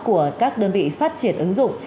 của các đơn vị phát triển ứng dụng